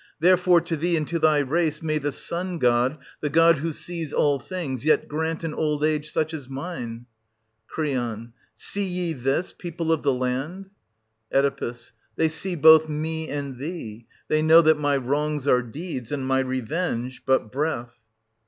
Therefore to thee and to thy race may the Sun god, the god who sees all things, yet grant an old age such as mine ! 870 Cr. See ye this, people of the land ? Oe. They see both me and thee; they know that my wrongs are deeds, and my revenge — but breath.